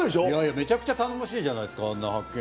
めちゃくちゃ頼もしいじゃないですかあんな発見。